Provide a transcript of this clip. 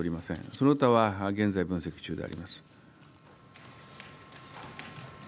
その他は現在分析中であります。